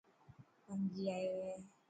ڀنگي آيو هي.